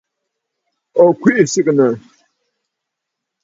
Ò kwìʼi sɨgɨ̀nə̀.